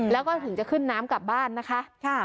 แล้วก็ถึงจะขึ้นน้ำกลับบ้านนะคะ